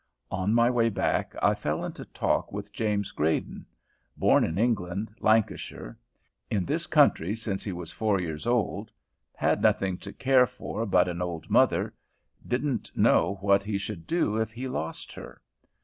On my way back, I fell into talk with James Grayden. Born in England, Lancashire; in this country since he was four years old. Had nothing to care for but an old mother; didn't know what he should do if he lost her.